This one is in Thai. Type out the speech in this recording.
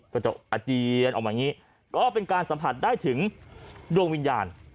ก็จะอาเจียนออกมาอย่างนี้ก็เป็นการสัมผัสได้ถึงดวงวิญญาณ